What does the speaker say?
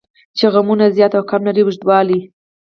چې غمونه زیات او کم لري اوږدوالی.